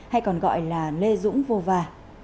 hay còn gọi là lê dũng vô và